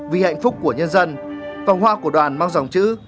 vì hạnh phúc của nhân dân vòng hoa của đoàn mang dòng chữ